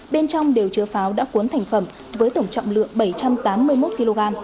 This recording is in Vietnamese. bên trong đều chứa pháo đã cuốn thành phẩm với tổng trọng lượng bảy trăm tám mươi một kg